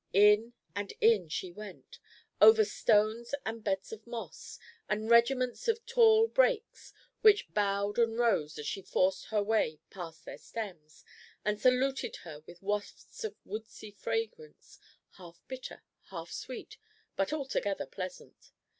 In and in she went, over stones and beds of moss, and regiments of tall brakes, which bowed and rose as she forced her way past their stems, and saluted her with wafts of woodsy fragrance, half bitter, half sweet, but altogether pleasant.